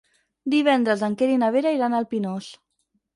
Divendres en Quer i na Vera iran al Pinós.